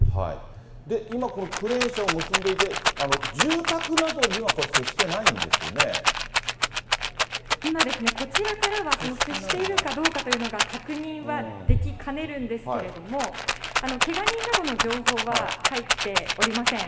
今、このクレーン車を結んでいて、住宅などにはこれ、接してないんで今、こちらからは接しているかどうかというのが、確認はできかねるんですけれども、けが人などの情報は入っておりません。